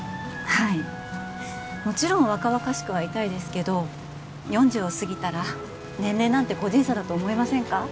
はいもちろん若々しくはいたいですけど４０を過ぎたら年齢なんて個人差だと思いませんか？